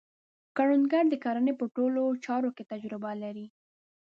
کروندګر د کرنې په ټولو چارو کې تجربه لري